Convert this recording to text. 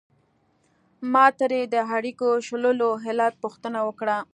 ما ترې د اړیکو شلولو علت پوښتنه وکړه.